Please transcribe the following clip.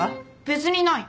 別にない。